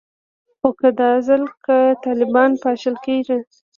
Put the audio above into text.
خو که دا ځل که طالبان پاشل کیږي